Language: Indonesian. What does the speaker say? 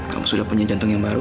kamu sudah punya jantung yang baru